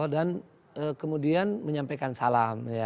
dan kemudian menyampaikan salam